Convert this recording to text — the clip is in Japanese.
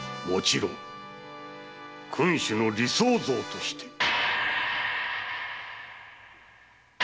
もちろん君主の理想像として。